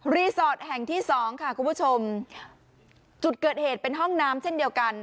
แห่งที่สองค่ะคุณผู้ชมจุดเกิดเหตุเป็นห้องน้ำเช่นเดียวกัน